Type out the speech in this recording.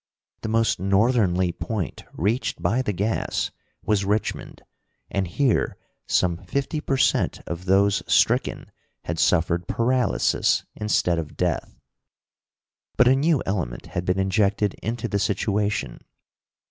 The most northernly point reached by the gas was Richmond, and here some fifty per cent of those stricken had suffered paralysis instead of death. But a new element had been injected into the situation.